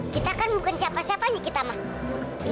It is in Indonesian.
kita kan bukan siapa siapanya kita mak